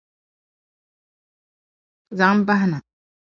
Zaŋ bahi na!